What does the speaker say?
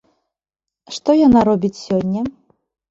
Што яна робіць сёння?